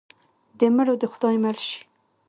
د مړو دې خدای مل شي.